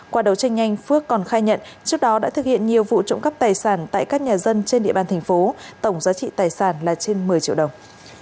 qua đấu tranh nhanh phước còn khai nhận trước đó đã thực hiện nhiều vụ trộm cắp tài sản tại các nhà dân trên địa bàn thành phố tổng giá trị tài sản là trên một mươi triệu đồng